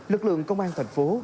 lực lượng công an thành phố